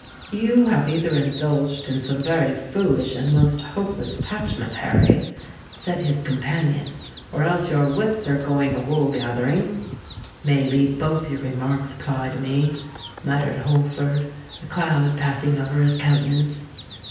"You have either indulged in some very foolish and most hopeless attachment, Harry," said his companion; "or else your wits are going a wool gathering." "May be both your remarks apply to me," muttered Holford, a cloud passing over his countenance.